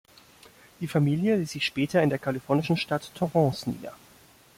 Die Familie ließ sich später in der kalifornischen Stadt Torrance nieder.